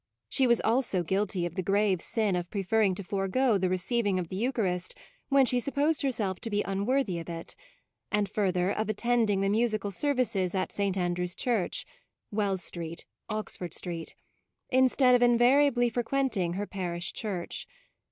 She was also guilty of the grave sin of preferring to forego the receiving of the eucharist when she supposed herself to be unworthy of it; and further, of attending the musi cal services at St. Andrew's Church (Wells Street, Oxford Street), in stead of invariably frequenting her parish church.